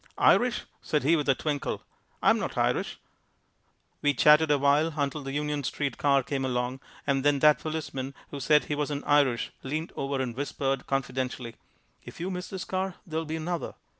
"Irish," said he with a twinkle, "I'm not Irish." We chatted awhile until the Union street car came along, and then that policeman who said he wasn't Irish leaned over and whispered confidentially, "If you miss this car, there'll be another."